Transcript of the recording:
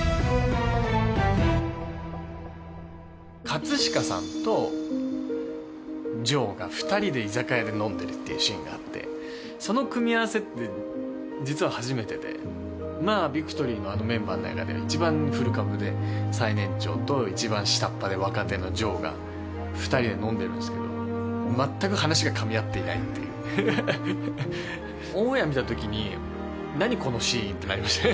葛飾さんと城が２人で居酒屋で飲んでるっていうシーンがあってその組み合わせって実は初めてでまあビクトリーのあのメンバーの中では一番古株で最年長と一番下っ端で若手の城が２人で飲んでるんすけどまったく話がかみ合っていないっていうハハハオンエア見た時に「何？このシーン」ってなりました